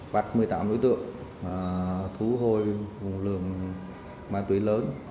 bắt một mươi tám đối tượng thú hôi vùng lường ma túy lớn